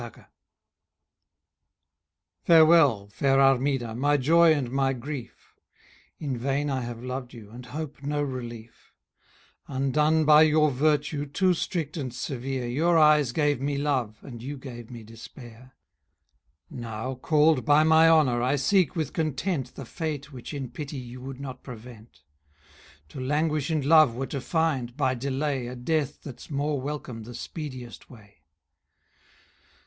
_ Farewell, fair Armida, my joy and my grief! In vain I have loved you, and hope no relief; Undone by your virtue, too strict and severe, Your eyes gave me love, and you gave me despair: Now called by my honour, I seek with content The fate which in pity you would not prevent: To languish in love were to find, by delay, A death that's more welcome the speediest way.